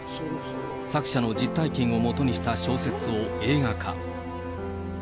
作者の実体験をもとにした小説を映画化。